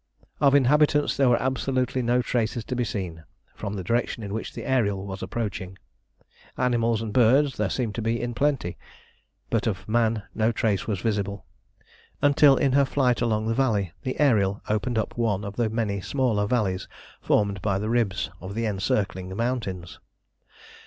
Of inhabitants there were absolutely no traces to be seen, from the direction in which the Ariel was approaching. Animals and birds there seemed to be in plenty, but of man no trace was visible, until in her flight along the valley the Ariel opened up one of the many smaller valleys formed by the ribs of the encircling mountains.